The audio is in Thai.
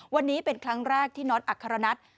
วันนี้เป็นครั้งแรกที่น็อตอัครนัท